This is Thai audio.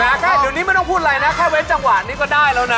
แค่เดี๋ยวนี้ไม่ต้องพูดอะไรนะแค่เว้นจังหวะนี้ก็ได้แล้วนะ